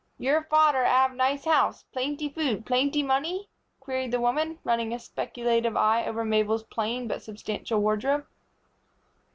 "Your fodder 'ave nice house, plainty food, plainty money?" queried the woman, running a speculative eye over Mabel's plain but substantial wardrobe.